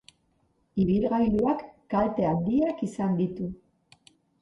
Ibilgailuak kalte handiak izan ditu.